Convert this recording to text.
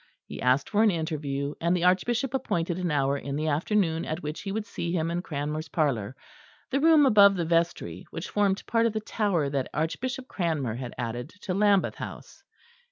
He asked for an interview, and the Archbishop appointed an hour in the afternoon at which he would see him in Cranmer's parlour, the room above the vestry which formed part of the tower that Archbishop Cranmer had added to Lambeth House.